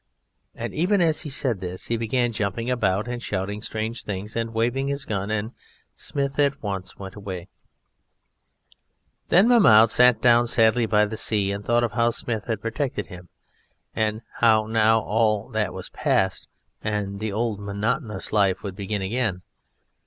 And even as he said this he began jumping about and shouting strange things and waving his gun, and Smith at once went away. Then Mahmoud sat down sadly by the sea, and thought of how Smith had protected him, and how now all that was passed and the old monotonous life would begin again.